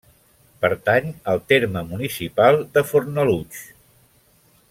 Pertany al terme municipal de Fornalutx.